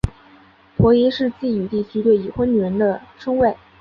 婆姨是晋语地区对已婚女人的称谓。